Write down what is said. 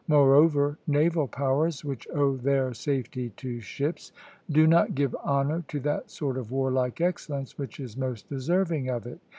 Moreover, naval powers which owe their safety to ships, do not give honour to that sort of warlike excellence which is most deserving of it.